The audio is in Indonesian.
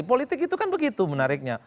politik itu kan begitu menariknya